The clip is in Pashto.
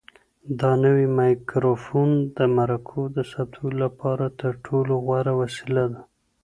دا نوی مایکروفون د مرکو د ثبتولو لپاره تر ټولو غوره وسیله ده.